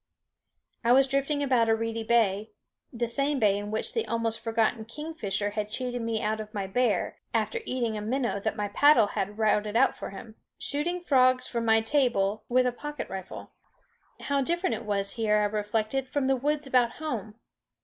I was drifting about a reedy bay (the same bay in which the almost forgotten kingfisher had cheated me out of my bear, after eating a minnow that my paddle had routed out for him) shooting frogs for my table with a pocket rifle. How different it was here, I reflected, from the woods about home.